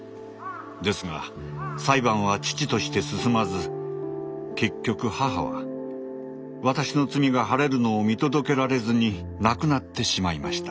ですが裁判は遅々として進まず結局母は私の罪が晴れるのを見届けられずに亡くなってしまいました。